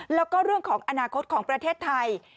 แล้วก็เรื่องของอนาคตของประเทศไทย